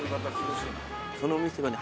そのお店がね。